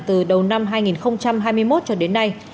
từ đầu năm hai nghìn hai mươi một cho đến nay